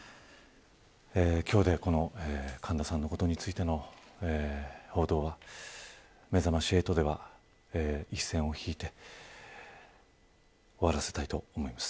今日でこの神田さんのことについての報道はめざまし８では一線を引いて終わらせたいと思います。